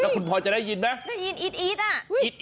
แล้วคุณพ่อจะได้ยินนะได้ยินอี๊ดอ่ะ